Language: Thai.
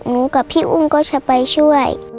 หนูกับพี่อุงก็จะไปช่วย